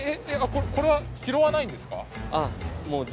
これは拾わないんですか？